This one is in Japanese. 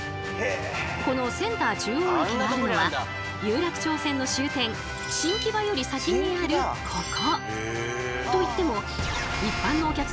このセンター中央駅があるのは有楽町線の終点新木場より先にあるここ。